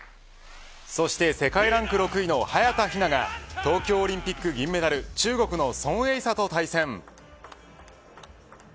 そして世界ランク６位の早田ひなが東京オリンピック銀メダル中国の孫穎莎と対戦。